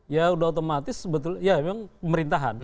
ya sudah otomatis sebetulnya memang pemerintahan